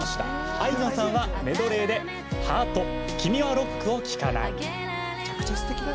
あいみょんさんはメドレーで「ハート君はロックを聴かない」。